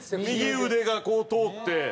右腕がこう通って。